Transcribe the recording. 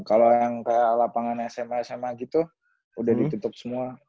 kalau yang kayak lapangan sma sma gitu udah ditutup semua